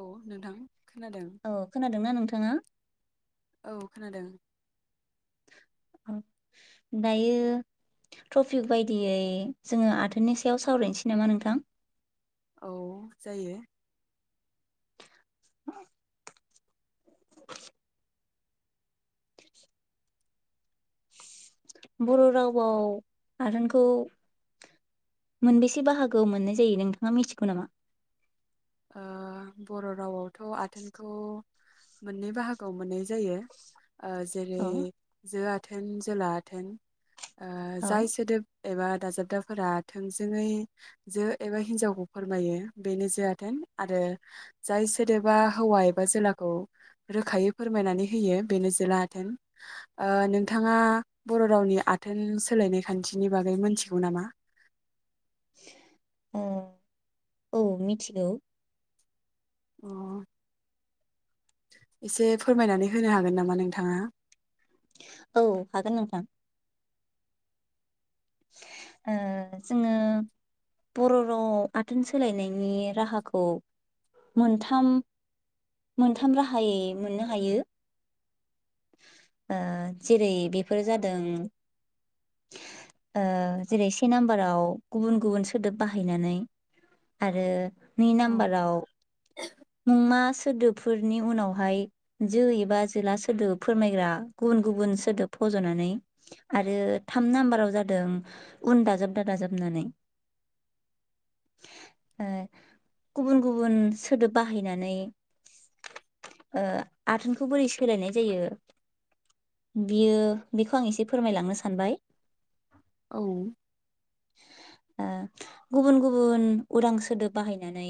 औ नोंथां खोनादों औ खोनादोंना नोंथाङा? औ खोनादों औ दायो टपिक बायदियै जोङो आथोननि सायाव सावरायनोसै नामा नोंथां औ जायो [inaudible] बर' रावआव आथोनखौ मोनबेसे बाहागो मोननाय जायो नोंथाङा मिथिगौ नामा? ओ बर' रावआवथ आथोनखौ मोननै बाहागोआव मोननाय जायो। ओ जेरै औ जो आ थोन जोला आथोन। ओ औ जाय सोदोब एबा दाजाबदाफोरा थोंजोङै जो एबा हिनजावखौ फोरमायो बेनो जो आ थोन आरो जाय सोदोबा हौवा एबा जोलाखौ रोखायै फोरमायनानै होयो बेनो जोला आथोन ओ नोंथाङा बर रावनि आथोन सोलायनाय खान्थिनि बागै मोनथिगौ नामा? औ औ मिथिगौ। ओम एसे फोरमायनानै होनो हागोन नामा नोंथाङा? औ हागोन नोंथां। ओ जोङो बर' राव आथोन सोलायनायनि राहाखौ मोनथाम मोनथाम राहायै मोननो हायो ओ जेरै बेफोरो जादों ओ जेरै से नाम्बाराव गुबुन गुबुन सोदोब बाहायनानै आरो नै औ नामबारआव मुंमा सोदोबफोरनि उनावहाय जो एबा जोला सोदोब फोरमायग्रा गुबुन गुबुन सोदोब फजनानै आरो थाम नाम्बाराव जाद दों उन दाजाबदा दाजाबनानै ओ गुबुन गुबुन सोदोब बाहायनानै ओ आथोनखौ बोरै सोलायनाय जायो बियो बेखौ आं एसे फोरमायलांनो सानबाय औ ओ गुबुन गुबुन उदां सोदोब बाहायनानै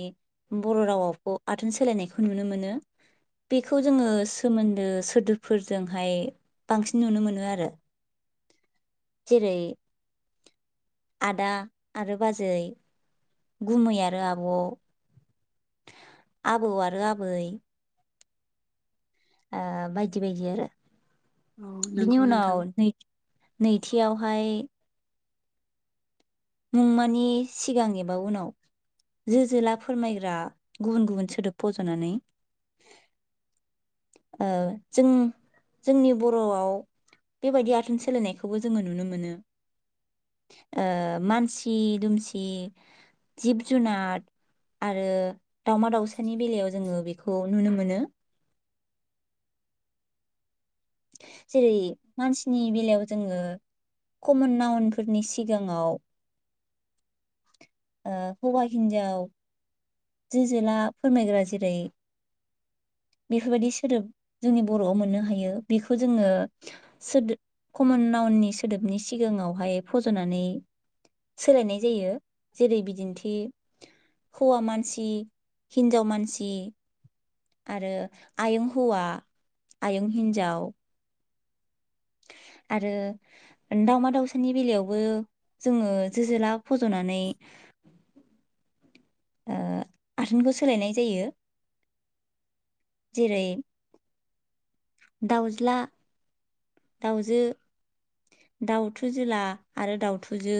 बर' रावआवखौ आथोन सोलायनायखौ नुनो मोनो बेखौ जोङो सोमोन्दो सोदोबफोरजोंहाय बांसिन नुनो मोनो आरो। जेरै आदा आरो बाजै गुमै आरो आब आबौ आरो आबै ओ बायदि बायदि आरो औ बिनि नंगौ नोंथां उनाव नै नैथियावहाय मुंमानि सिगां एबा उनाव जो जोला फोरमायग्रा गुबुन गुबुन सोदोब फजनानै ओ जों जोंनि बरआव बेबायदि आथोन सोलायनायखौबो जोङो नुनो मोनो ओ मानसि दुमसि जिब जुनार आरो दाउमा दाउसानि बेलायाव जोङो बेखौ नुनो मोनो [inaudible] जेरै मानसिनि बेलायाव जोङो कमन नाउनफोरनि सिगाङाव ओ हौवा हिनजाव जो जेला फोरमायग्रा जेरै बेफोरबायदि सोदोब जोंनि बरआव मोननो हायो बेखौ जोङो सोदोब कमन नउननि सोदोबनि सिगाङावहाय फजनानै सोलायनाय जायो जेरै बिदिन्थि हौवा मान सि हिनजाव मानसि आरो आयं हौवा आयं हिनजाव आरो दाउमा दाउसानि बेलायावबो जोङो जो‍ जोला फज'नानै ओ आथोनखो सोलायनाय जायो जेरै दाउज्ला दाउजो दाउथुजोला आरो दाउथुजो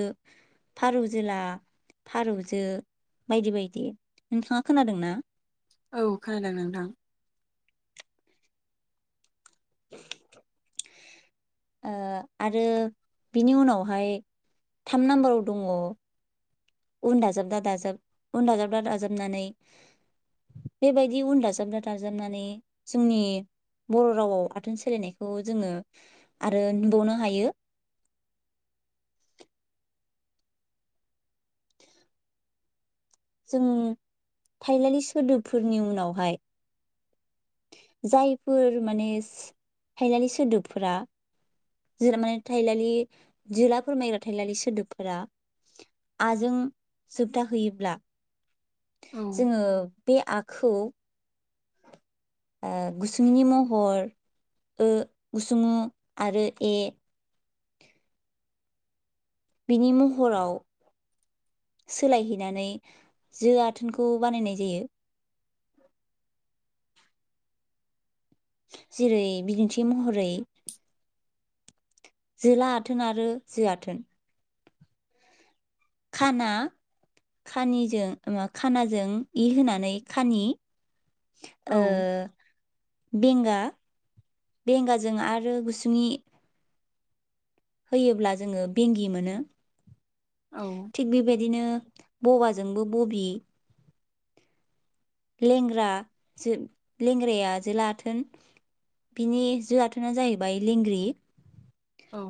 फारौजोला फारौजो बायदि बायदि, नोंथाङा खोनादोंना? औ खोनादों नोंथां ओ आरो बिनि उनावहाय थाम नाम्बाराव दङ उन दाजाबदा दाजाब उन दाजाबदा दाजाबनानै बेबायदि उन दाजाबदा दाजाबनानै जोंनि बर' राव आव आथोन सोलायनायखौ जोङो आरो नुबावनो हायो। जों थाइलालि सोदोबफोरनि उनावहाय जायफोर माने थाइलालि सोदोबफोरा [unintelligible] माने थाइलालि जोला फोरमायग्रा थाइलालि सोदोबफोरा आ जों जोबथाहैयोब्ला औ जोङो बे आ खौ ओ इ महर ओ उ आरो ए बिनि महराव सोलायहैनानै जो आथोनखौ बानायनाय जायो। जेरै बिदिन्थि महरै जोला आथोन आरो जो आथोन खाना खानिजों नोङा खानाजों इ होनानै खानि ओ औ बेंगा बेंगाजों आरो इ होयोब्ला जोङो बेंगि मोनो औ थिग बेबायदिनो बबाजोंबो बबि लेंग्रा जो लेंग्राया जोला आथोन बिनि जो आथोना जाहैबाय लेंग्रि औ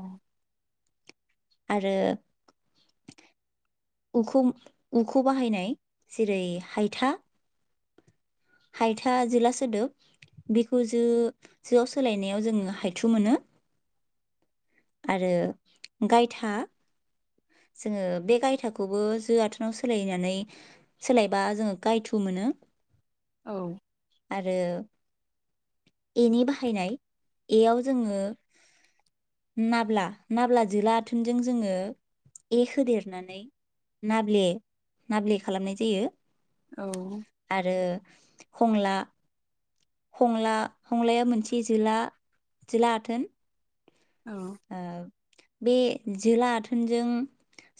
आरो उ खौ उ खौ बाहायनाय जेरै हायथा हायथा जोला सोदोब बिखौ जो जोआव सोलायनायाव जोङो हायथु मोनो आरो गायथा जोङो बे गायथाखौबो जो आथोनाव सोलायनानै सोलायबा जोङो गायथु मोनो। औ आरो ए नि बाहायनाय ए याव जोङो नाब्ला नाब्ला जोला आथोनजों जोङो ए होदेरनानै नाब्ले नाब्ले खालामनाय जायो। औ आरो खमला हंला हंलाया मोनसे जोला जोला आथोन। औ ओ बे जोला आथोनजों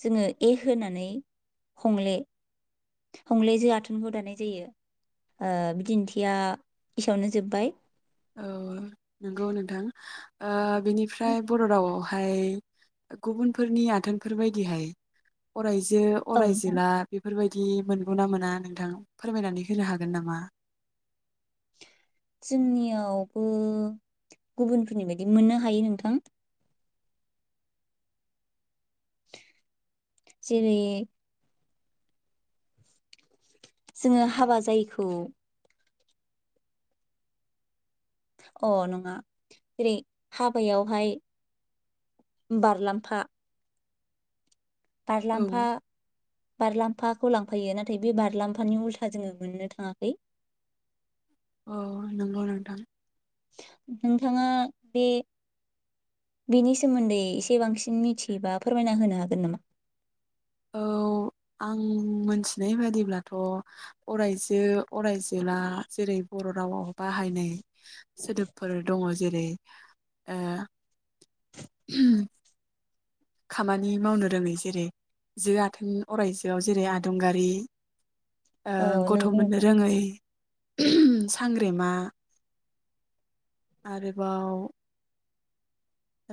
जोंङो ए होनानै हंले हंले जो आथोनखौ दानाय जायो ओ बिदिन्थिया इसेयावनो जोब्बाय औ नंगौ नोंथां आ बिनिफ्राय बर रावआव फाय गुबुनफोरनि आथोनफोर बायदिहाय अरायजो औ अराय नोंथां जेला बेफोरबायदि बिदि मोनगौ ना मोना नोंथां फोरमायनानै होनो हागोन नामा? जोंनियावबो गुबुनफोरनि बायदि मोननो हायो नोंथां। जेरै जोङो हाबा जायैखौ अ नङा जेरै हाबायावहाय बारलामफा बारलाम्फा औ बारलाम्फाखौ लांफायो नाथाय बे बारलामफानि उल्था जोंङो मोननो थाङाखै औ नोंगौ नोंथां। नोंथाङा बे बेनि सोमोन्दै एसे बांसिन मिथियोबा फोरमायना होनो हागोन नामा? औ आं मोनथिनाय बादिब्लाथ अरायजो अरायजोआ जेरै बर रावाव बाहायनाय सोदोबफोर दङ। जेरै आ होम खामानि मावनो रोङै जेरै जो आथोन अरायजोआव जेरै आदुंगारि ओ औ गथ नंगौ मोननो नोंथां रोङै सांग्रेमा आरोबाव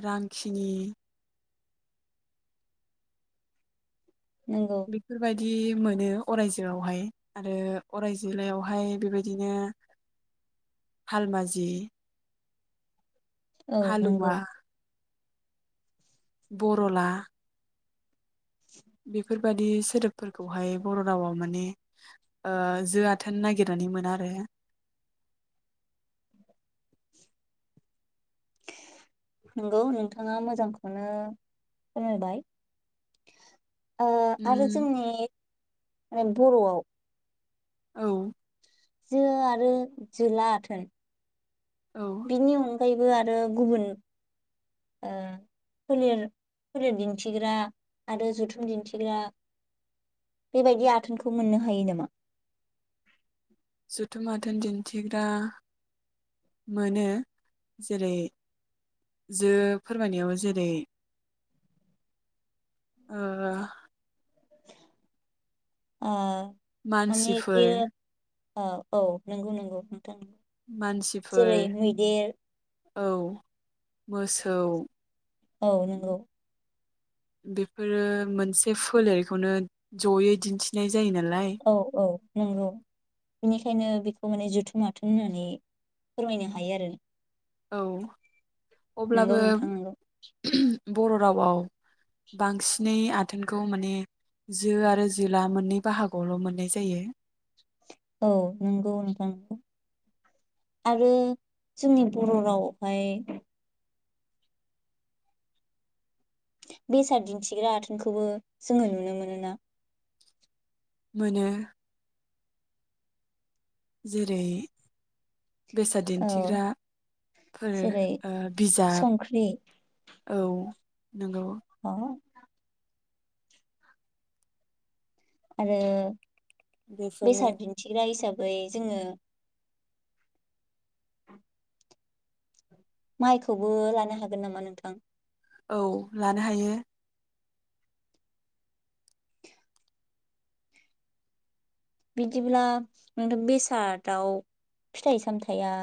रांखिनि नंगौ बेफोरबायदि मोनो अरायजोआवहाय आरो अरायजोलायावहाय बेबायदिनो हालमाजि औ नंगौ हालुवा बर'ला बेबादि सोदोबफोरखौहाय बर' रावआव माने ओ जो आथोन नागिरनानै मोना आरो। नंगौ नोंथाङा मोजांखौनो फोरोंबाय ओ आरो उम जोंनि [unintelligible] बर'आव औ जो आरो जोला आथोन औ बिनि मुं फ्रायबो आरो गुबुन ओ फोलेर फोलेर दिन्थिग्रा आरो जथुम दिन्थिग्रा बेबायदि आथोनखौ मोननो हायो नामा? जथुम आथोन दिन्थिग्रा मोनो जेरै जो फोरमायनायाव जेरै ओ अ। मानसिफोर अ औ नंगौ नंगौ मानसिफोर जेरै मैदेर। औ मोसौ। औ नंगौ बेफोरो मोनसे फोलेरखौनो जयै दिन्थिनाय जायो नालाय औ औ नंगौ बेनिखायनो बेखौ माने जुथुम आथोन होननानै फोरमायनो हायो आरो। औ। नंगौ अब्लाबो नोंथां नंगौ बर' रावआव बांसिनै आथोनखौ माने जो आरो जोला मोननै बाहागोआवल' मोननाय जायो। औ नंगौ नोंथां नगौ आरो जोंनि बर' रावआवहाय बेसाद दिन्थिग्रा आथोनखौबो जोङो नुनो मोनोना मोनो। जेरै बेसाद औ दिन्थिग्राफोर जेरै ओ बिजाब संख्रि औ नंगौ। हा आरो बेै बेफोरनो साद दिन्थिग्रा हिसाब बै जोङो माइखौबो लानो हागोन नामा नोंथां? औ लानो हायो बिदिब्ला नोथ बेसादाव फिथाइ सामथाइया